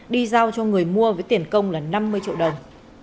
đi giao cho người mua với tiền công là năm mươi triệu đồng